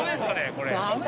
これ。